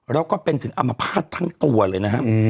แล้วก็เป็นถึงอมภาษณ์ทั้งตัวเลยนะครับ